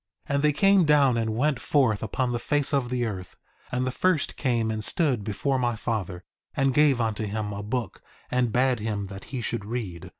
1:11 And they came down and went forth upon the face of the earth; and the first came and stood before my father, and gave unto him a book, and bade him that he should read.